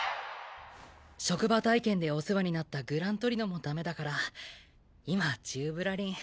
職場体験でお世話になったグラントリノもダメだから今宙ぶらりん。